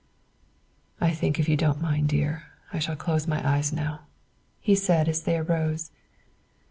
'" "I think if you don't mind, dear, I shall close my eyes now," he said as they arose.